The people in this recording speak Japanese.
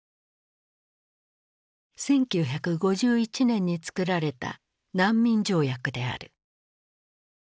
１９５１年に作られた難民条約である。